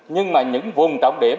nhưng mà những vùng tổng điểm